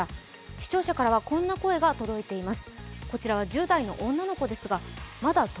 視聴者からは、こんな声が届いています。